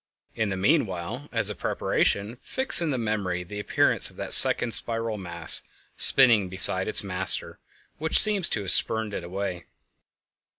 In the meanwhile, as a preparation, fix in the memory the appearance of that second spiral mass spinning beside its master which seems to have spurned it away.